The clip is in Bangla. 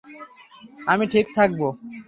আমি ঠিক থাকবো।